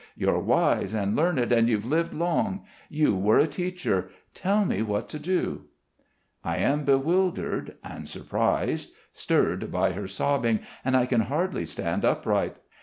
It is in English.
You're wise and learned, and you've lived long! You were a teacher. Tell me what to do." I am bewildered and surprised, stirred by her sobbing, and I can hardly stand upright.